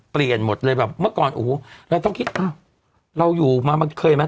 เปลี่ยนหมดเลยแบบเมื่อก่อนโอ้โหเราต้องคิดอ้าวเราอยู่มามันเคยไหม